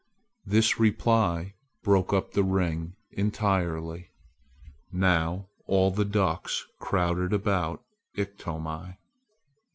This reply broke up the ring entirely. Now all the ducks crowded about Iktomi.